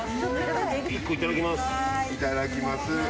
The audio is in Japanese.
１個いただきます。